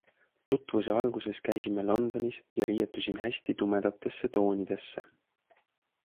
Tutvuse alguses käisime Londonis ja riietusin hästi tumedatesse toonidesse.